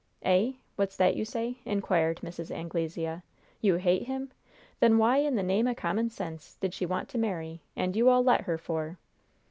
"Eh? What's that you say?" inquired Mrs. Anglesea. "You hate him? Then why, in the name o' common sense, did she want to marry, and you all let her, for?"